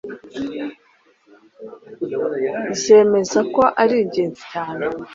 zemeza ko ari ingenzi cyane